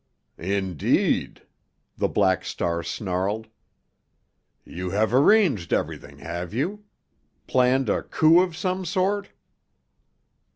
"Indeed?" the Black Star snarled. "You have arranged everything, have you? Planned a coup of some sort?"